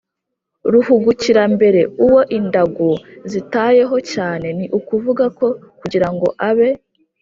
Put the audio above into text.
ruhugukirambere: uwo indagu zitayeho cyane ni ukuvuga ko kugira ngo abe